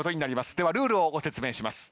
ではルールをご説明します。